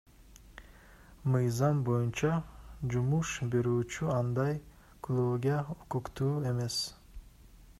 Мыйзам боюнча, жумуш берүүчү андай кылууга укуктуу эмес.